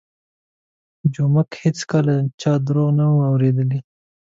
جومک هېڅکله چا درواغ نه وو اورېدلي.